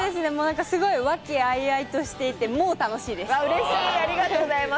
すごい和気あいあいとしていて、もう楽しいです。